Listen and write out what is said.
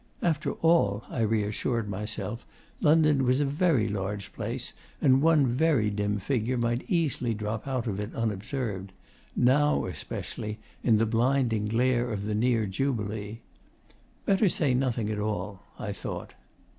After all, I reassured myself, London was a very large place, and one very dim figure might easily drop out of it unobserved now especially, in the blinding glare of the near Jubilee. Better say nothing at all, I thought.